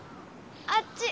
あっち。